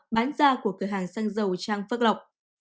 bán ra của cửa hàng xăng dầu